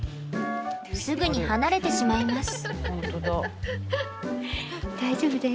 すぐに離れてしまいます。